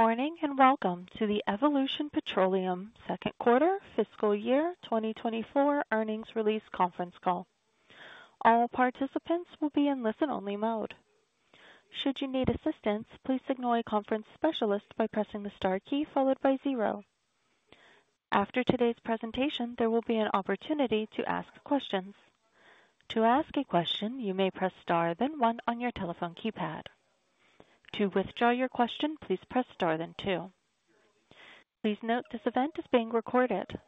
Good morning, and welcome to the Evolution Petroleum Second Quarter Fiscal Year 2024 Earnings Release Conference Call. All participants will be in listen-only mode. Should you need assistance, please signal a conference specialist by pressing the star key followed by zero. After today's presentation, there will be an opportunity to ask questions. To ask a question, you may press Star, then one on your telephone keypad. To withdraw your question, please press star, then two. Please note, this event is being recorded.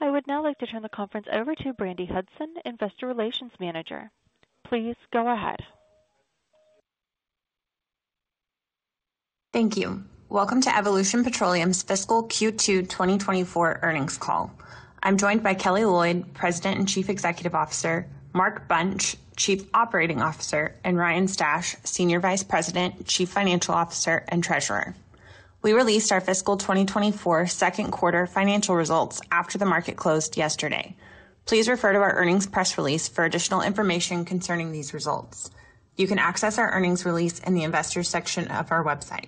I would now like to turn the conference over to Brandi Hudson, Investor Relations Manager. Please go ahead. Thank you. Welcome to Evolution Petroleum's fiscal Q2 2024 earnings call. I'm joined by Kelly Loyd, President and Chief Executive Officer, Mark Bunch, Chief Operating Officer, and Ryan Stash, Senior Vice President, Chief Financial Officer, and Treasurer. We released our fiscal 2024 second quarter financial results after the market closed yesterday. Please refer to our earnings press release for additional information concerning these results. You can access our earnings release in the Investors section of our website.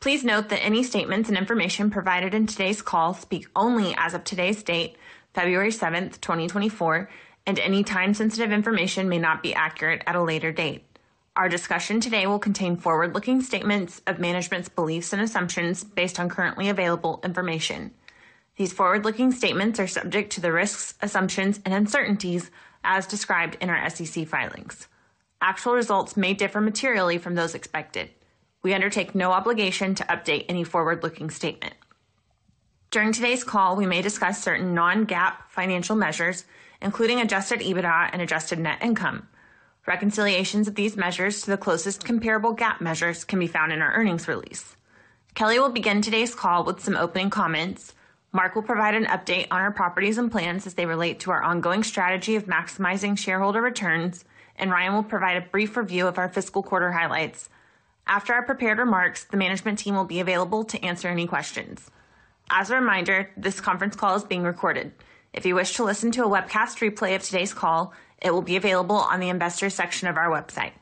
Please note that any statements and information provided in today's call speak only as of today's date, February 7th, 2024, and any time-sensitive information may not be accurate at a later date. Our discussion today will contain forward-looking statements of management's beliefs and assumptions based on currently available information. These forward-looking statements are subject to the risks, assumptions, and uncertainties as described in our SEC filings. Actual results may differ materially from those expected. We undertake no obligation to update any forward-looking statement. During today's call, we may discuss certain non-GAAP financial measures, including Adjusted EBITDA and Adjusted Net Income. Reconciliations of these measures to the closest comparable GAAP measures can be found in our earnings release. Kelly will begin today's call with some opening comments, Mark will provide an update on our properties and plans as they relate to our ongoing strategy of maximizing shareholder returns, and Ryan will provide a brief review of our fiscal quarter highlights. After our prepared remarks, the management team will be available to answer any questions. As a reminder, this conference call is being recorded. If you wish to listen to a webcast replay of today's call, it will be available on the Investors section of our website.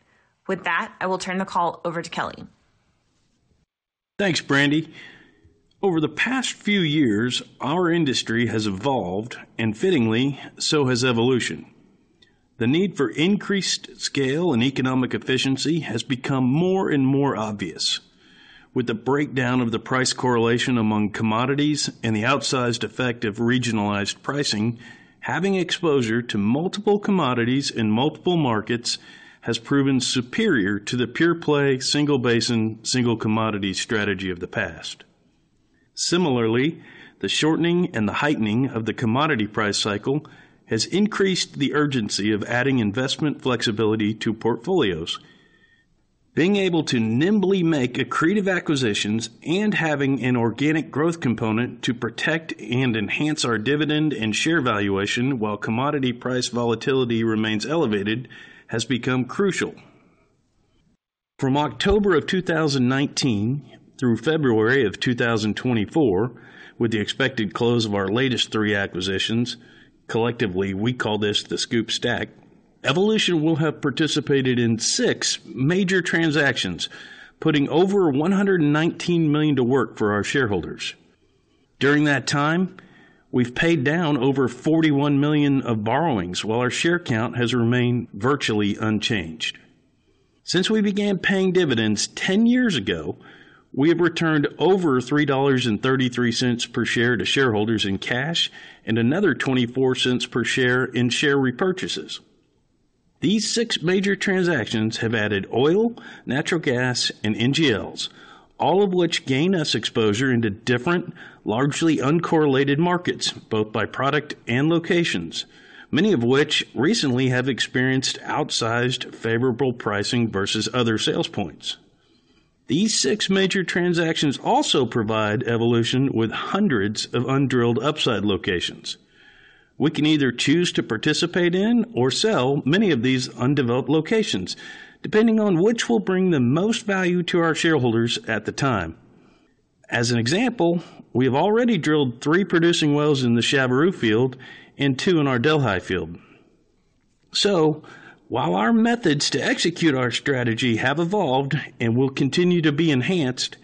With that, I will turn the call over to Kelly. Thanks, Brandi. Over the past few years, our industry has evolved, and fittingly, so has Evolution. The need for increased scale and economic efficiency has become more and more obvious. With the breakdown of the price correlation among commodities and the outsized effect of regionalized pricing, having exposure to multiple commodities in multiple markets has proven superior to the pure play, single basin, single commodity strategy of the past. Similarly, the shortening and the heightening of the commodity price cycle has increased the urgency of adding investment flexibility to portfolios. Being able to nimbly make accretive acquisitions and having an organic growth component to protect and enhance our dividend and share valuation while commodity price volatility remains elevated, has become crucial. From October 2019 through February 2024, with the expected close of our latest three acquisitions, collectively, we call this the SCOOP/STACK, Evolution will have participated in 6 major transactions, putting over $119 million to work for our shareholders. During that time, we've paid down over $41 million of borrowings, while our share count has remained virtually unchanged. Since we began paying dividends 10 years ago, we have returned over $3.33 per share to shareholders in cash and another $0.24 per share in share repurchases. These 6 major transactions have added oil, natural gas, and NGLs, all of which gain us exposure into different, largely uncorrelated markets, both by product and locations, many of which recently have experienced outsized favorable pricing versus other sales points. These six major transactions also provide Evolution with hundreds of undrilled upside locations. We can either choose to participate in or sell many of these undeveloped locations, depending on which will bring the most value to our shareholders at the time. As an example, we have already drilled 3 producing wells in the Chaveroo Field and 2 in our Delhi Field. So while our methods to execute our strategy have evolved and will continue to be enhanced,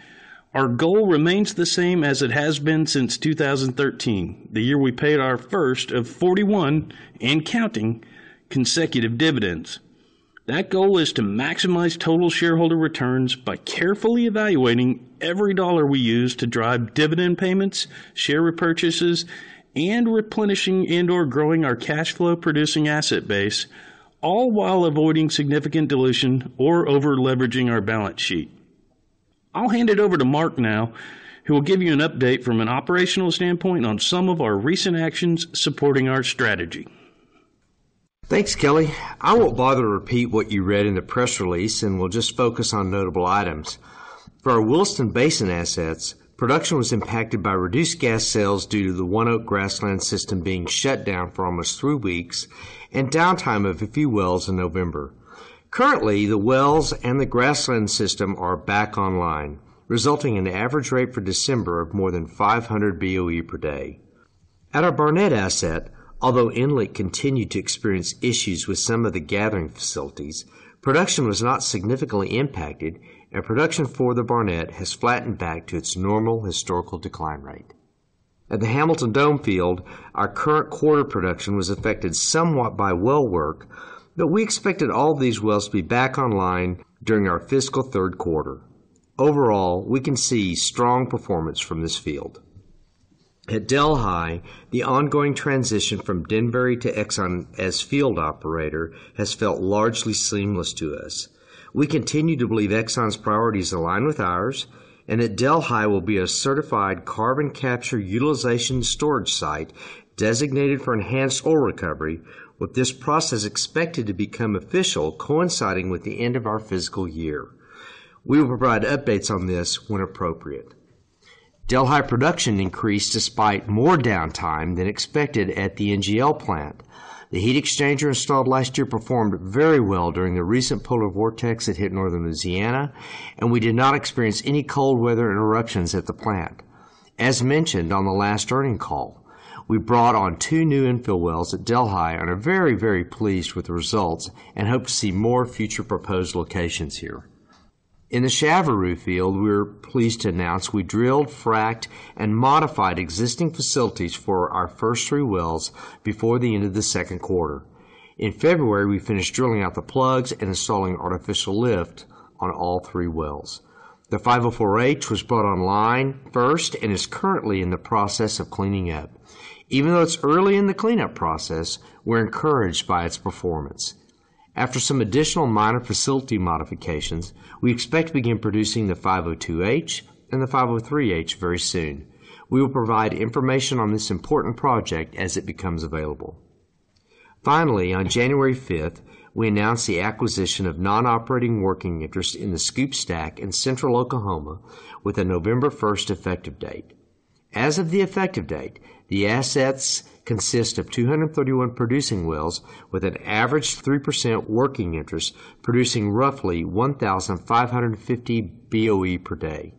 our goal remains the same as it has been since 2013, the year we paid our first of 41 and counting consecutive dividends. That goal is to maximize total shareholder returns by carefully evaluating every dollar we use to drive dividend payments, share repurchases, and replenishing and/or growing our cash flow producing asset base, all while avoiding significant dilution or over-leveraging our balance sheet. I'll hand it over to Mark now, who will give you an update from an operational standpoint on some of our recent actions supporting our strategy. Thanks, Kelly. I won't bother to repeat what you read in the press release and we'll just focus on notable items. For our Williston Basin assets, production was impacted by reduced gas sales due to the ONEOK Grasslands System being shut down for almost three weeks and downtime of a few wells in November. Currently, the wells and the Grasslands System are back online, resulting in an average rate for December of more than 500 BOE per day. At our Barnett asset, although EnLink continued to experience issues with some of the gathering facilities, production was not significantly impacted, and production for the Barnett has flattened back to its normal historical decline rate. At the Hamilton Dome Field, our current quarter production was affected somewhat by well work, but we expected all these wells to be back online during our fiscal third quarter. Overall, we can see strong performance from this field. At Delhi, the ongoing transition from Denbury to Exxon as field operator has felt largely seamless to us. We continue to believe Exxon's priorities align with ours, and that Delhi will be a certified carbon capture utilization storage site designated for Enhanced Oil Recovery, with this process expected to become official, coinciding with the end of our fiscal year. We will provide updates on this when appropriate. Delhi production increased despite more downtime than expected at the NGL plant. The heat exchanger installed last year performed very well during the recent polar vortex that hit northern Louisiana, and we did not experience any cold weather interruptions at the plant. As mentioned on the last earnings call, we brought on 2 new infill wells at Delhi and are very, very pleased with the results and hope to see more future proposed locations here. In the Chaveroo Field, we are pleased to announce we drilled, fracked, and modified existing facilities for our first 3 wells before the end of the second quarter. In February, we finished drilling out the plugs and installing artificial lift on all 3 wells. The 504H was brought online first and is currently in the process of cleaning up. Even though it's early in the cleanup process, we're encouraged by its performance. After some additional minor facility modifications, we expect to begin producing the 502H and the 503H very soon. We will provide information on this important project as it becomes available. Finally, on January fifth, we announced the acquisition of non-operating working interest in the SCOOP/STACK in central Oklahoma with a November first effective date. As of the effective date, the assets consist of 231 producing wells with an average 3% working interest, producing roughly 1,550 BOE per day,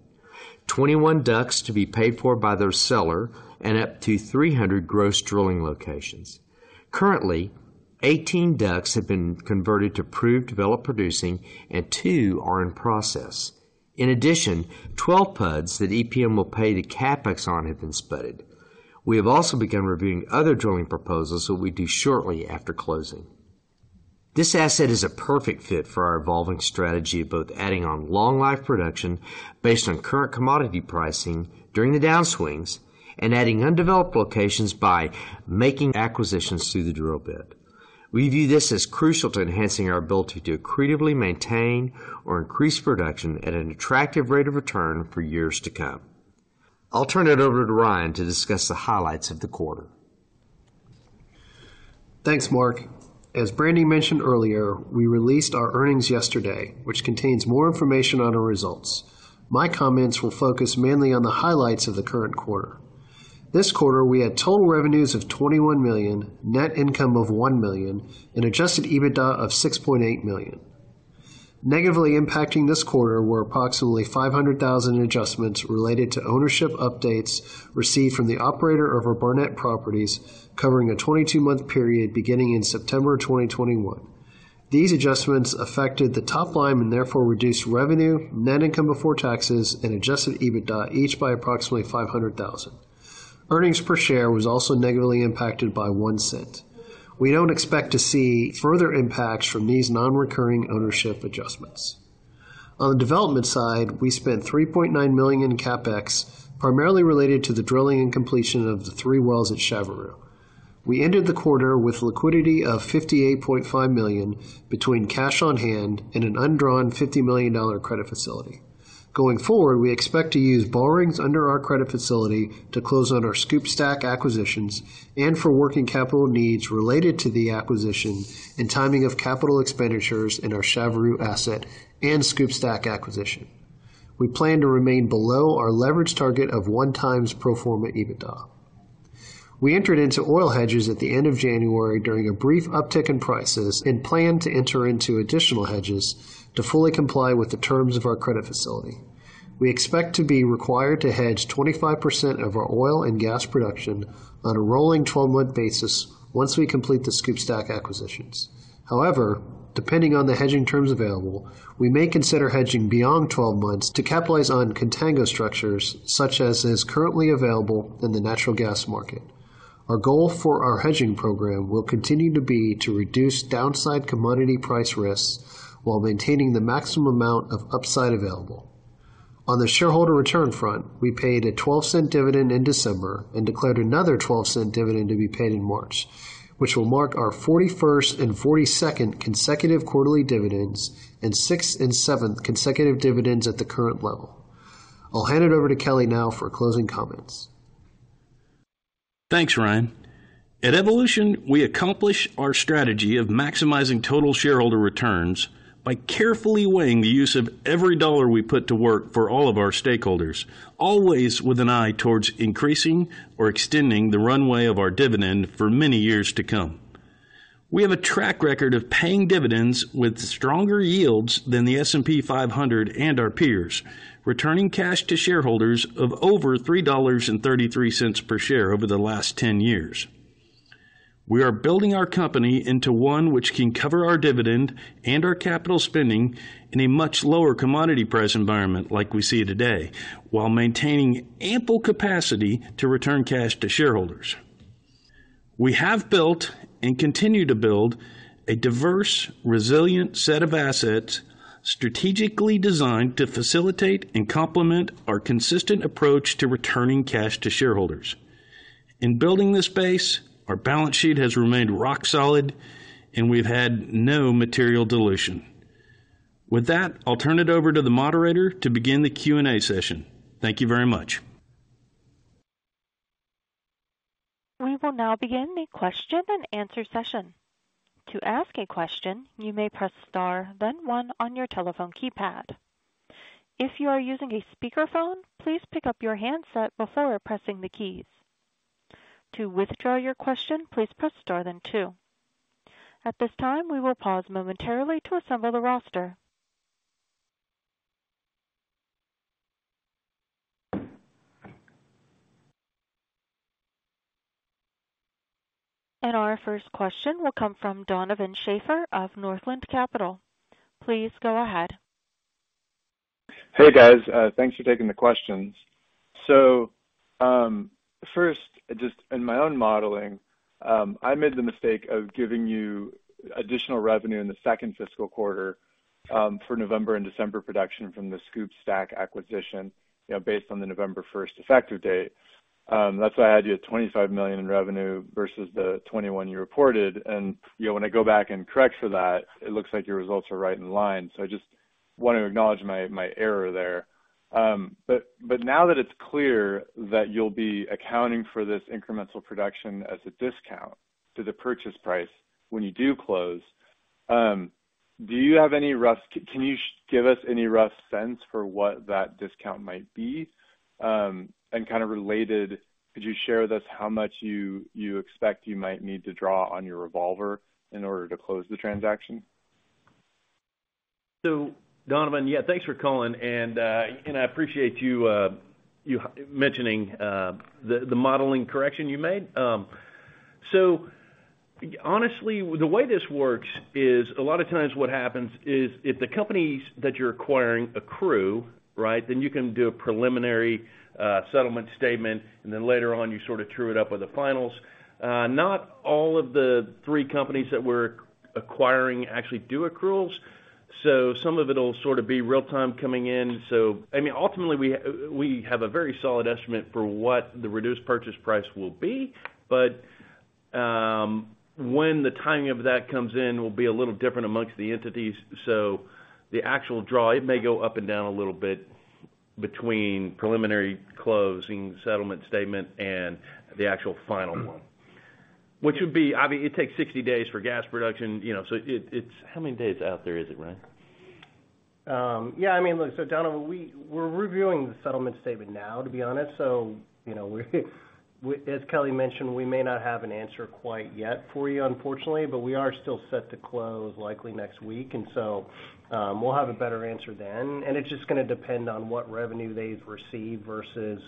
21 DUCs to be paid for by their seller and up to 300 gross drilling locations. Currently, 18 DUCs have been converted to proved developed producing and 2 are in process. In addition, 12 PUDs that EPM will pay the CapEx on have been spudded. We have also begun reviewing other drilling proposals, so we do shortly after closing. This asset is a perfect fit for our evolving strategy of both adding on long life production based on current commodity pricing during the downswings and adding undeveloped locations by making acquisitions through the drill bit. We view this as crucial to enhancing our ability to accretively maintain or increase production at an attractive rate of return for years to come. I'll turn it over to Ryan to discuss the highlights of the quarter. Thanks, Mark. As Brandi mentioned earlier, we released our earnings yesterday, which contains more information on our results. My comments will focus mainly on the highlights of the current quarter. This quarter, we had total revenues of $21 million, net income of $1 million, and adjusted EBITDA of $6.8 million. Negatively impacting this quarter were approximately $500,000 in adjustments related to ownership updates received from the operator of our Barnett properties, covering a 22-month period beginning in September 2021. These adjustments affected the top line and therefore reduced revenue, net income before taxes and adjusted EBITDA, each by approximately $500,000. Earnings per share was also negatively impacted by $0.01. We don't expect to see further impacts from these non-recurring ownership adjustments. On the development side, we spent $3.9 million in CapEx, primarily related to the drilling and completion of the three wells at Chaveroo. We ended the quarter with liquidity of $58.5 million between cash on hand and an undrawn $50 million credit facility. Going forward, we expect to use borrowings under our credit facility to close on our SCOOP/STACK acquisitions and for working capital needs related to the acquisition and timing of capital expenditures in our Chaveroo asset and SCOOP/STACK acquisition. We plan to remain below our leverage target of 1x pro forma EBITDA. We entered into oil hedges at the end of January during a brief uptick in prices and plan to enter into additional hedges to fully comply with the terms of our credit facility. We expect to be required to hedge 25% of our oil and gas production on a rolling 12-month basis once we complete the SCOOP/STACK acquisitions. However, depending on the hedging terms available, we may consider hedging beyond 12 months to capitalize on contango structures, such as is currently available in the natural gas market. Our goal for our hedging program will continue to be to reduce downside commodity price risks while maintaining the maximum amount of upside available. On the shareholder return front, we paid a $0.12 dividend in December and declared another $0.12 dividend to be paid in March, which will mark our 41st and 42nd consecutive quarterly dividends and 6th and 7th consecutive dividends at the current level. I'll hand it over to Kelly now for closing comments. Thanks, Ryan. At Evolution, we accomplish our strategy of maximizing total shareholder returns by carefully weighing the use of every dollar we put to work for all of our stakeholders, always with an eye towards increasing or extending the runway of our dividend for many years to come. ...We have a track record of paying dividends with stronger yields than the S&P 500 and our peers, returning cash to shareholders of over $3.33 per share over the last 10 years. We are building our company into one which can cover our dividend and our capital spending in a much lower commodity price environment like we see today, while maintaining ample capacity to return cash to shareholders. We have built and continue to build a diverse, resilient set of assets, strategically designed to facilitate and complement our consistent approach to returning cash to shareholders. In building this base, our balance sheet has remained rock solid, and we've had no material dilution. With that, I'll turn it over to the moderator to begin the Q&A session. Thank you very much. We will now begin the question and answer session. To ask a question, you may press Star, then one on your telephone keypad. If you are using a speakerphone, please pick up your handset before pressing the keys. To withdraw your question, please press star then two. At this time, we will pause momentarily to assemble the roster. Our first question will come from Donovan Schafer of Northland Capital. Please go ahead. Hey, guys, thanks for taking the questions. So, first, just in my own modeling, I made the mistake of giving you additional revenue in the second fiscal quarter for November and December production from the SCOOP/STACK acquisition, you know, based on the November 1 effective date. That's why I had you at $25 million in revenue versus the $21 million you reported. And, you know, when I go back and correct for that, it looks like your results are right in line. So I just want to acknowledge my error there. But now that it's clear that you'll be accounting for this incremental production as a discount to the purchase price when you do close, can you give us any rough sense for what that discount might be? And kind of related, could you share with us how much you expect you might need to draw on your revolver in order to close the transaction? So, Donovan, yeah, thanks for calling, and I appreciate you mentioning the modeling correction you made. So honestly, the way this works is a lot of times what happens is, if the companies that you're acquiring accrue, right, then you can do a preliminary settlement statement, and then later on, you sort of true it up with the finals. Not all of the three companies that we're acquiring actually do accruals, so some of it'll sort of be real-time coming in. So, I mean, ultimately, we have a very solid estimate for what the reduced purchase price will be, but when the timing of that comes in will be a little different amongst the entities. So the actual draw, it may go up and down a little bit between preliminary closing, settlement statement and the actual final one, which would be, obviously, it takes 60 days for gas production, you know, so it, it's- How many days out there is it, Ryan? Yeah, I mean, look, so Donovan, we're reviewing the settlement statement now, to be honest. So, you know, as Kelly mentioned, we may not have an answer quite yet for you, unfortunately, but we are still set to close, likely next week, and so, we'll have a better answer then. And it's just gonna depend on what revenue they've received versus,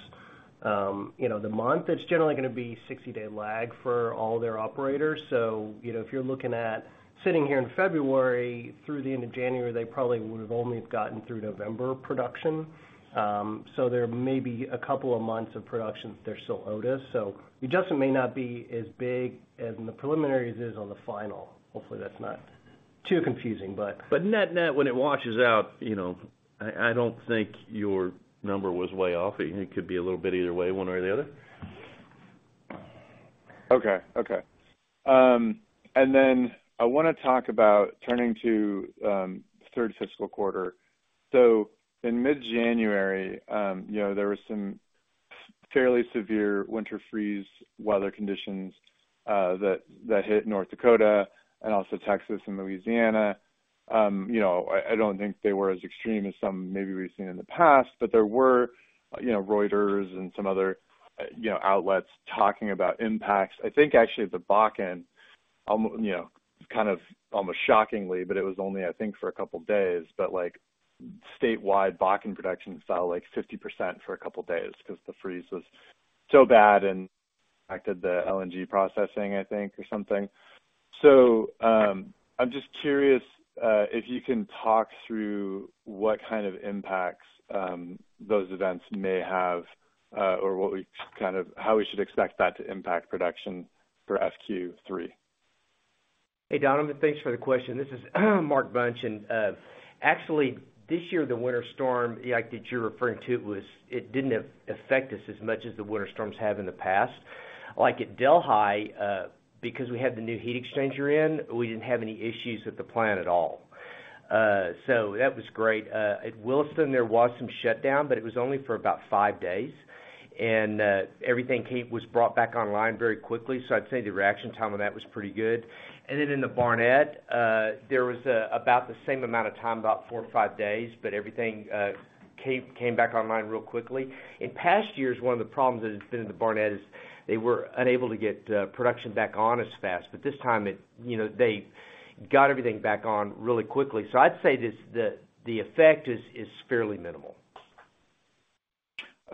you know, the month. It's generally gonna be 60-day lag for all their operators. So, you know, if you're looking at sitting here in February through the end of January, they probably would have only gotten through November production. So there may be a couple of months of production they're still owed us, so the adjustment may not be as big as in the preliminaries is on the final. Hopefully, that's not too confusing, but- But net-net, when it washes out, you know, I, I don't think your number was way off. It could be a little bit either way, one or the other. Okay. Okay, and then I wanna talk about turning to third fiscal quarter. So in mid-January, you know, there was some fairly severe winter freeze weather conditions that hit North Dakota and also Texas and Louisiana. You know, I don't think they were as extreme as some maybe we've seen in the past, but there were, you know, Reuters and some other outlets talking about impacts. I think actually the Bakken, you know, kind of almost shockingly, but it was only, I think, for a couple days, but, like, statewide, Bakken production fell, like, 50% for a couple days because the freeze was so bad and affected the LNG processing, I think, or something. I'm just curious if you can talk through what kind of impacts those events may have, or how we should expect that to impact production for Q3. Hey, Donovan, thanks for the question. This is Mark Bunch, and actually, this year, the winter storm, like that you're referring to, was. It didn't affect us as much as the winter storms have in the past. Like at Delhi, because we had the new heat exchanger in, we didn't have any issues with the plant at all. So that was great. At Williston, there was some shutdown, but it was only for about five days and everything was brought back online very quickly, so I'd say the reaction time on that was pretty good. And then in the Barnett, there was about the same amount of time, about four or five days, but everything came back online real quickly. In past years, one of the problems that has been in the Barnett is they were unable to get production back on as fast. But this time it, you know, they got everything back on really quickly. So I'd say this, the effect is fairly minimal.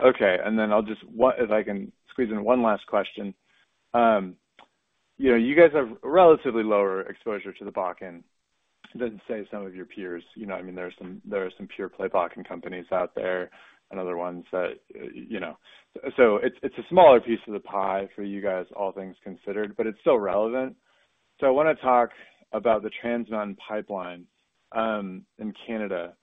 Okay. And then I'll just if I can squeeze in one last question. You know, you guys have relatively lower exposure to the Bakken than, say, some of your peers. You know, I mean, there are some pure play Bakken companies out there and other ones that, you know. So it's a smaller piece of the pie for you guys, all things considered, but it's still relevant. So I wanna talk about the Trans Mountain Pipeline in Canada.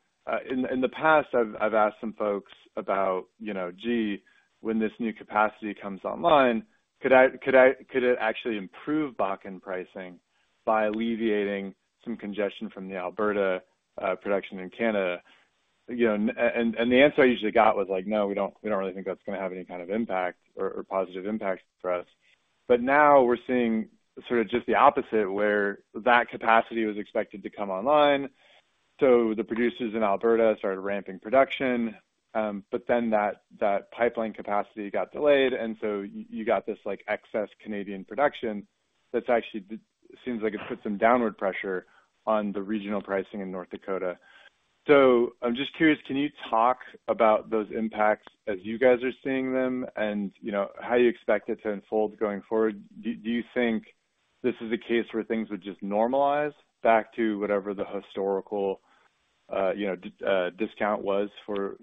In the past, I've asked some folks about, you know, gee, when this new capacity comes online, could it actually improve Bakken pricing by alleviating some congestion from the Alberta production in Canada? You know, and the answer I usually got was like, "No, we don't, we don't really think that's gonna have any kind of impact or, or positive impact for us." But now we're seeing sort of just the opposite, where that capacity was expected to come online, so the producers in Alberta started ramping production, but then that pipeline capacity got delayed, and so you got this, like, excess Canadian production that's actually, it seems like it put some downward pressure on the regional pricing in North Dakota. So I'm just curious, can you talk about those impacts as you guys are seeing them? And, you know, how you expect it to unfold going forward. Do you think this is a case where things would just normalize back to whatever the historical, you know, discount was for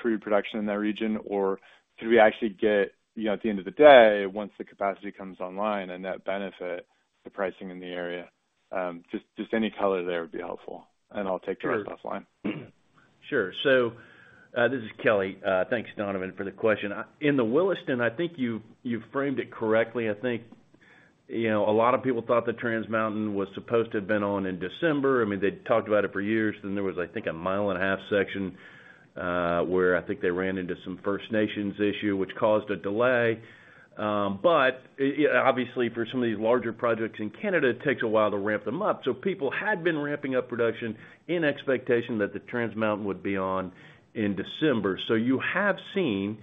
crude production in that region? Or could we actually get, you know, at the end of the day, once the capacity comes online, a net benefit to pricing in the area? Just any color there would be helpful, and I'll take the rest offline. Sure. So this is Kelly. Thanks, Donovan, for the question. In the Williston, I think you framed it correctly. I think, you know, a lot of people thought the Trans Mountain was supposed to have been on in December. I mean, they'd talked about it for years, then there was, I think, a 1.5-mile section where I think they ran into some First Nations issue, which caused a delay. But obviously, for some of these larger projects in Canada, it takes a while to ramp them up, so people had been ramping up production in expectation that the Trans Mountain would be on in December. So you have seen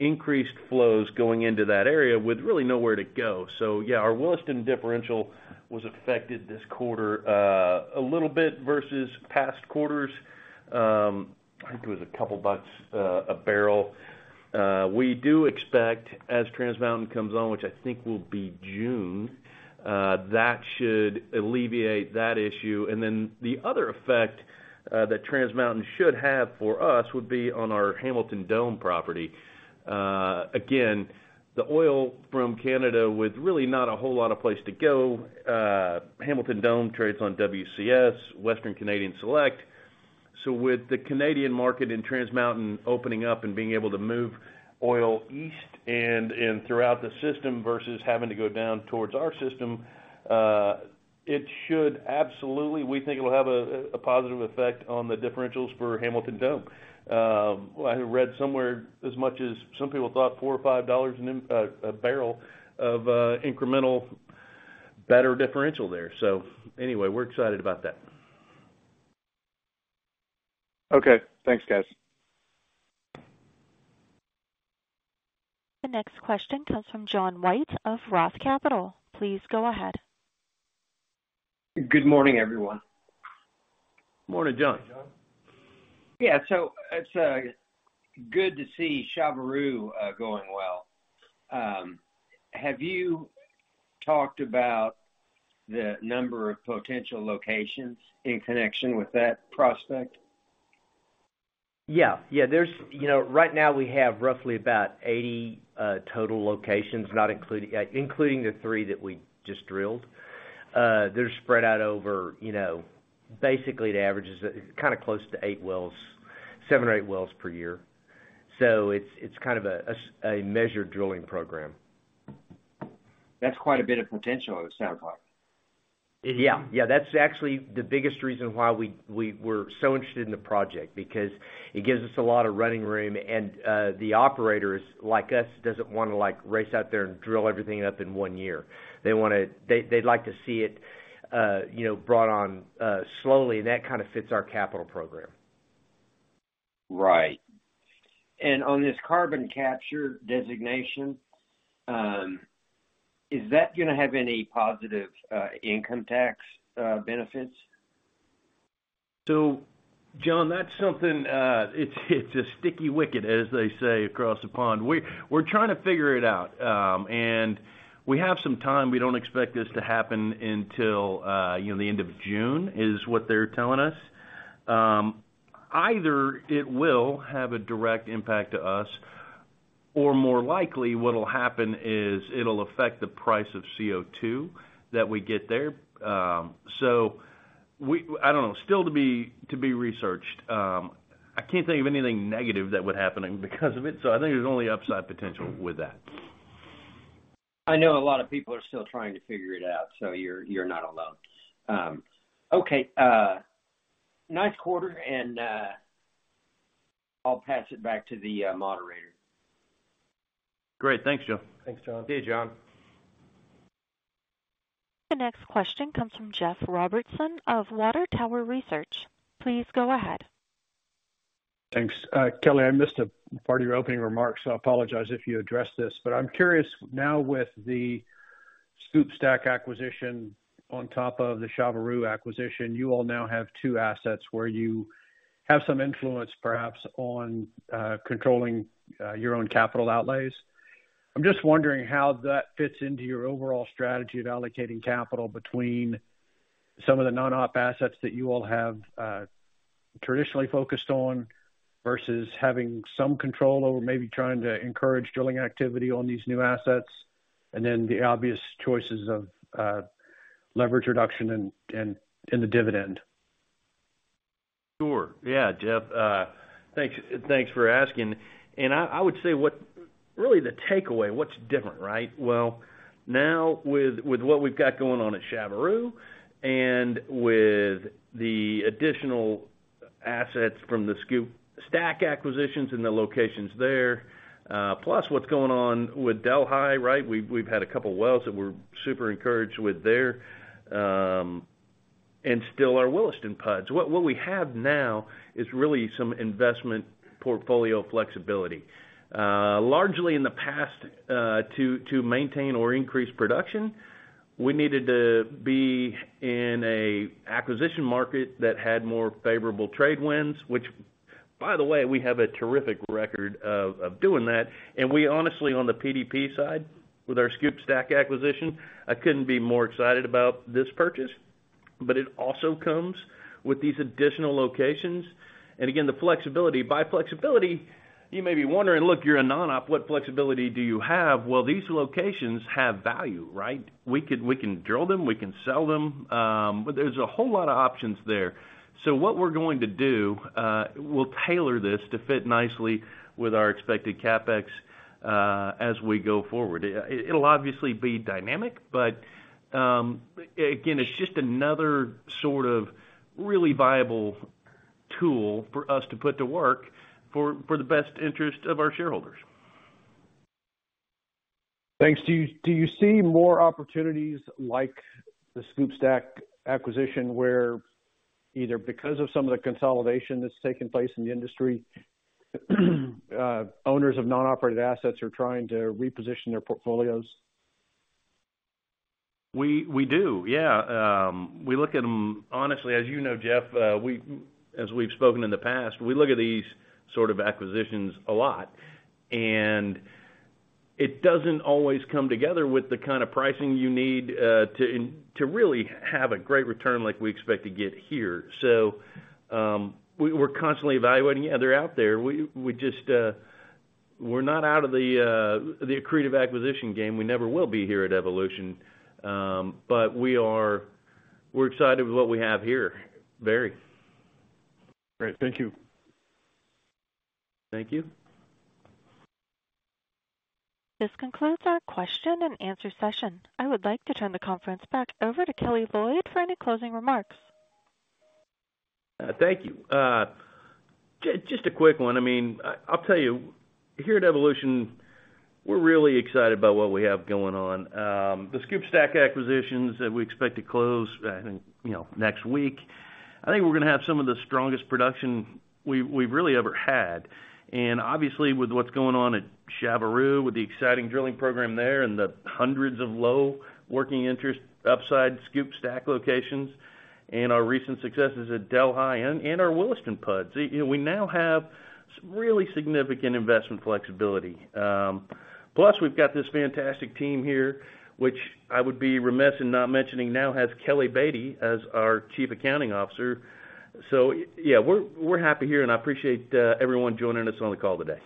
increased flows going into that area with really nowhere to go. So yeah, our Williston differential was affected this quarter, a little bit versus past quarters. I think it was a couple bucks a barrel. We do expect, as Trans Mountain comes on, which I think will be June, that should alleviate that issue. And then the other effect that Trans Mountain should have for us would be on our Hamilton Dome property. Again, the oil from Canada, with really not a whole lot of place to go, Hamilton Dome trades on WCS, Western Canadian Select. So with the Canadian market and Trans Mountain opening up and being able to move oil east and and throughout the system versus having to go down towards our system, it should absolutely, we think it will have a positive effect on the differentials for Hamilton Dome. I read somewhere as much as some people thought $4-$5 a barrel of incremental better differential there. So anyway, we're excited about that. Okay. Thanks, guys. The next question comes from John White of Roth Capital. Please go ahead. Good morning, everyone. Morning, John. Hey, John. Yeah, so it's good to see Chaveroo going well. Have you talked about the number of potential locations in connection with that prospect? Yeah. Yeah, there's... You know, right now we have roughly about 80 total locations, including the 3 that we just drilled. They're spread out over, you know, basically, the average is kind of close to 8 wells, 7 or 8 wells per year. So it's kind of a measured drilling program. That's quite a bit of potential, it sounds like. Yeah. Yeah, that's actually the biggest reason why we were so interested in the project, because it gives us a lot of running room, and the operators, like us, doesn't wanna, like, race out there and drill everything up in one year. They wanna. They'd like to see it, you know, brought on slowly, and that kind of fits our capital program. Right. And on this carbon capture designation, is that gonna have any positive, income tax, benefits? So John, that's something, it's a sticky wicket, as they say, across the pond. We're trying to figure it out, and we have some time. We don't expect this to happen until, you know, the end of June, is what they're telling us. Either it will have a direct impact to us, or more likely, what'll happen is it'll affect the price of CO2 that we get there. So I don't know, still to be researched. I can't think of anything negative that would happen because of it, so I think there's only upside potential with that.... I know a lot of people are still trying to figure it out, so you're, you're not alone. Okay, nice quarter, and I'll pass it back to the moderator. Great. Thanks, John. Thanks, John. Hey, John. The next question comes from Jeff Robertson of Water Tower Research. Please go ahead. Thanks. Kelly, I missed a part of your opening remarks, so I apologize if you addressed this, but I'm curious now, with the SCOOP/STACK acquisition on top of the Chaveroo acquisition, you all now have two assets where you have some influence, perhaps, on controlling your own capital outlays. I'm just wondering how that fits into your overall strategy of allocating capital between some of the non-op assets that you all have traditionally focused on, versus having some control over maybe trying to encourage drilling activity on these new assets, and then the obvious choices of leverage reduction and the dividend. Sure. Yeah, Jeff, thanks. Thanks for asking. And I, I would say, what—really, the takeaway, what's different, right? Well, now, with, with what we've got going on at Chaveroo and with the additional assets from the SCOOP/STACK acquisitions and the locations there, plus what's going on with Delhi, right? We've, we've had a couple of wells that we're super encouraged with there, and still our Williston pads. What, what we have now is really some investment portfolio flexibility. Largely in the past, to, to maintain or increase production, we needed to be in a acquisition market that had more favorable trade winds, which, by the way, we have a terrific record of, of doing that. And we honestly, on the PDP side, with our SCOOP/STACK acquisition, I couldn't be more excited about this purchase, but it also comes with these additional locations. And again, the flexibility. By flexibility, you may be wondering, look, you're a non-op, what flexibility do you have? Well, these locations have value, right? We can, we can drill them, we can sell them, but there's a whole lot of options there. So what we're going to do, we'll tailor this to fit nicely with our expected CapEx, as we go forward. It'll obviously be dynamic, but, again, it's just another sort of really viable tool for us to put to work for, for the best interest of our shareholders. Thanks. Do you, do you see more opportunities like the SCOOP/STACK acquisition, where either because of some of the consolidation that's taking place in the industry, owners of non-operated assets are trying to reposition their portfolios? We do, yeah. We look at them. Honestly, as you know, Jeff, as we've spoken in the past, we look at these sort of acquisitions a lot, and it doesn't always come together with the kind of pricing you need to really have a great return like we expect to get here. So, we're constantly evaluating. Yeah, they're out there. We just, we're not out of the accretive acquisition game. We never will be here at Evolution. But we're excited with what we have here. Very. Great. Thank you. Thank you. This concludes our question and answer session. I would like to turn the conference back over to Kelly Loyd for any closing remarks. Thank you. Just a quick one. I mean, I'll tell you, here at Evolution, we're really excited about what we have going on. The SCOOP/STACK acquisitions that we expect to close, you know, next week, I think we're gonna have some of the strongest production we've really ever had. And obviously, with what's going on at Chaveroo, with the exciting drilling program there and the hundreds of low working interest upside SCOOP/STACK locations and our recent successes at Delhi and our Williston pads, you know, we now have really significant investment flexibility. Plus, we've got this fantastic team here, which I would be remiss in not mentioning, now has Kelly Beatty as our Chief Accounting Officer. So yeah, we're happy here, and I appreciate everyone joining us on the call today.